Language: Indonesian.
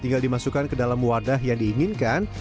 tinggal dimasukkan ke dalam wadah yang diinginkan